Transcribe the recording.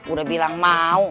udah bilang mau